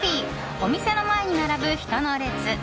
お店の前に並ぶ人の列。